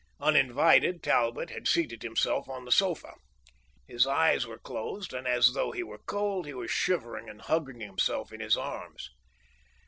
Uninvited, Talbot had seated himself on the sofa. His eyes were closed, and as though he were cold he was shivering and hugging himself in his arms.